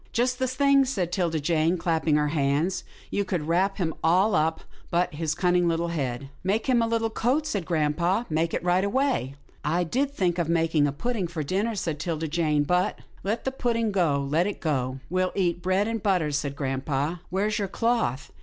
Just the thing," said 'Tilda Jane, clapping her hands. " You could wrap him all up, but his cun ning little head." " Make him a little coat," said grampa, " make it right away." " I did think of making a pudding for din ner," said 'Tilda Jane, " but —"" Let the pudding go — let it go. We'll eat bread and butter," said grampa. " Where's your cloth?